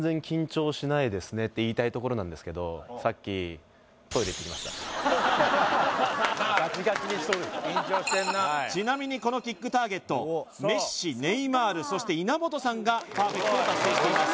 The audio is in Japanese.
僕あんまさっき・ガチガチにしとる・緊張してんなちなみにこのキックターゲットメッシネイマールそして稲本さんがパーフェクトを達成しています